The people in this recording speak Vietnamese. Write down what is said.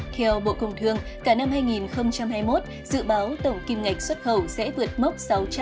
theo bộ công thương cả năm hai nghìn hai mươi một dự báo tổng kim ngạch xuất khẩu sẽ vượt mốc sáu trăm linh